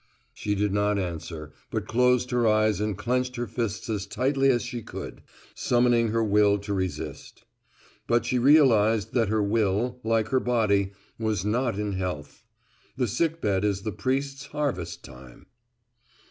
She did not answer, but closed her eyes and clenched her fists as tightly as she could, summoning her will to resist. But she realized that her will, like her body, was not in health. The sick bed is the priest's harvest time.